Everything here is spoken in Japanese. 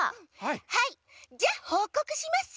はいじゃあほうこくします。